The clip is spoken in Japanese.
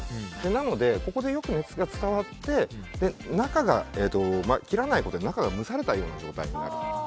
なので、ここでよく熱が伝わって中を切らないことで中が蒸されたような状態になります。